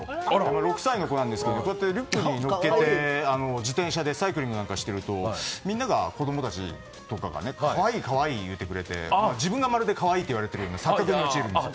６歳の子なんですけどリュックに乗っけて自転車でサイクリングなんかしているとみんな、子供たちが可愛い可愛い言ってくれて自分が可愛いといわれているような錯覚に陥るんですよ。